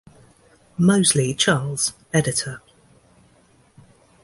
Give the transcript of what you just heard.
Mosley, Charles, editor.